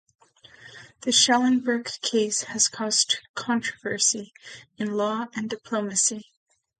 The Schellenberg case has caused controversy in law and diplomacy.